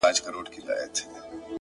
قربانو زړه مـي خپه دى دا څو عمـر.!